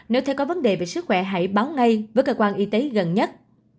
nếu thấy có vấn đề về sức khỏe hãy báo ngay với cơ quan y tế gần nhất